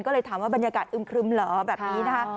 ก็เลยถามว่าบรรยากาศอึมครึมเหรอแบบนี้นะคะ